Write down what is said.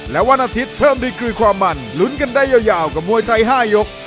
และวันอาทิตย์เพิ่มดีกรีความมันลุ้นกันได้ยาวกับมวยไทย๕ยก